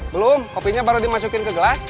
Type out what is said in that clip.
belum kopinya baru dimasukin ke gelas